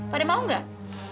wadih mau enggak